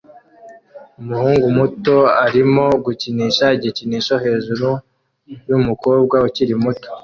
Umuhungu muto arimo gukinisha igikinisho hejuru yumukobwa ukiri muto